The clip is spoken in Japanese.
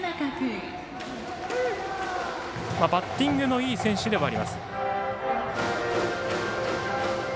バッティングのいい選手でもあります。